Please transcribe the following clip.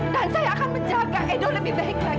dan saya akan menjaga edo lebih baik lagi